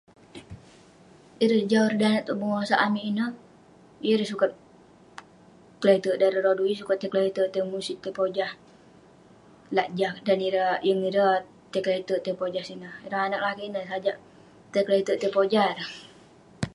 Ireh jau, ireh danag tong bengosak amik ineh, yeng ireh sukat keleterk dan ireh rodu, yeng ireh sukat tai keleterk tai musit tai pojah lak jah. Dan yeng ireh yeng ireh tai keleterk tai pojah sineh. ireh anag lakeik ineh sajak tai keleterk tai pojah ireh.